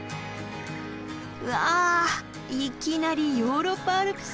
うわいきなりヨーロッパアルプスみたい。